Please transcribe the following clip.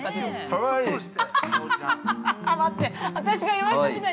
◆かわいい。